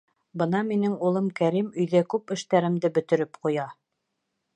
Бына минең улым Кәрим өйҙә күп эштәремде бөтөрөп ҡуя.